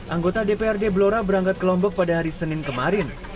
anggota dprd blora berangkat ke lombok pada hari senin kemarin